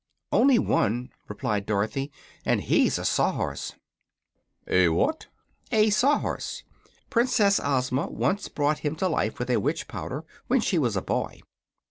"Only one," replied Dorothy, "and he's a sawhorse." "A what?" "A sawhorse. Princess Ozma once brought him to life with a witch powder, when she was a boy."